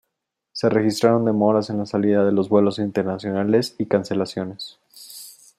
Se registraron demoras en la salida de los vuelos internacionales y cancelaciones.